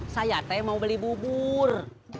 saya teh mau beli bubur